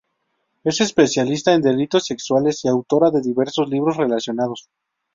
Es especialista en delitos sexuales y autora de diversos libros relacionados.